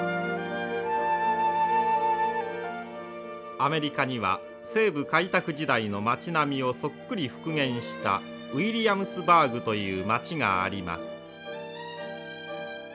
アメリカには西部開拓時代の町並みをそっくり復元したウィリアムズバーグという町があります。